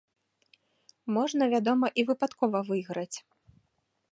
Можна, вядома, і выпадкова выйграць.